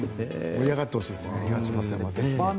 盛り上がってほしいですね東松山市。